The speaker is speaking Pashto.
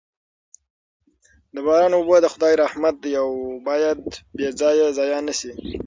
د باران اوبه د خدای رحمت دی او باید بې ځایه ضایع نه سي.